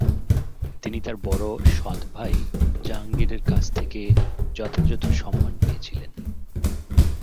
তিনি তার বড় সৎ ভাই জাহাঙ্গীরের কাছ থেকেযথাযথ সম্মান পেয়েছিলেন।